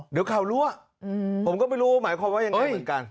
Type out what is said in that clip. เดี๋ยวข่าวรั่วผมก็ไม่รู้หมายความว่ายังไงเหมือนกัน